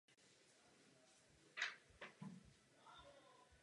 Charakter těchto mechanismů však zatím nebyl prozkoumán.